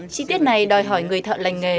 chi tiết này đòi hỏi người thợ lành nghề